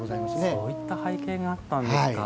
そういった背景があったんですか。